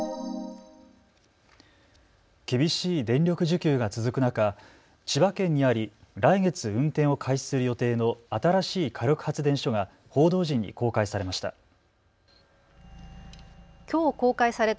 厳しい電力需給が続く中、千葉県にあり来月、運転を開始する予定の新しい火力発電所が報道陣に公開されました。